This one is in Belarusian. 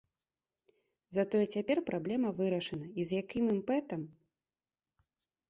Затое цяпер праблема вырашана, і з якім імпэтам!